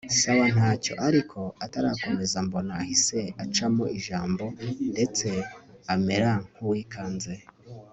sawa ntacyo, ariko atarakomeza mbona ahise acamo ijambo ndetse amera nkuwikanze